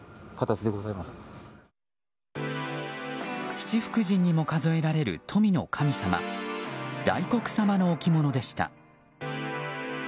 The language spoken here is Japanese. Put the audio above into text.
七福神にも数えられる富の神様大黒様の置物でした。